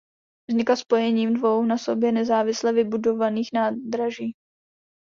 Vznikla spojením dvou na sobě nezávisle vybudovaných nádraží.